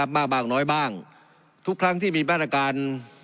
บ้างบ้างน้อยบ้างทุกครั้งที่มีมาตรการ